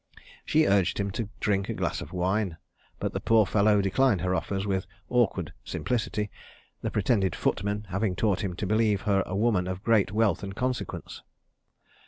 She urged him to drink a glass of wine, but the poor fellow declined her offers with awkward simplicity, the pretended footman having taught him to believe her a woman of great wealth and consequence.